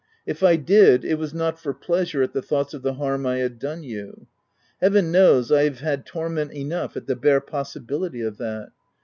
If I did, it was not for pleasure at the thoughts of the harm I had done you. — Heaven knows I have had torment enough at the bare possibility of that !